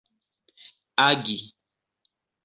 agi